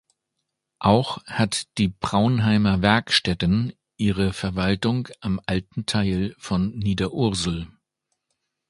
Auch hat die Praunheimer Werkstätten ihre Verwaltung am alten Teil von Niederursel.